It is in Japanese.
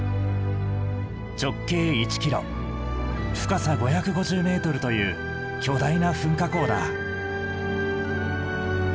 直径１ｋｍ深さ５５０ｍという巨大な噴火口だ。